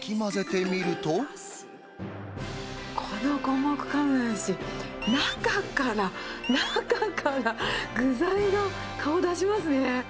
この五目釜めし、中から中から、具材が顔出しますね。